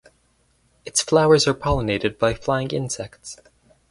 Its flowers are pollinated by flying insects.